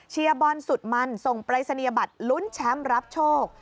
บอลสุดมันส่งปรายศนียบัตรลุ้นแชมป์รับโชค